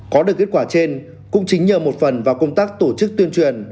có được kết quả trên cũng chính nhờ một phần vào công tác tổ chức tuyên truyền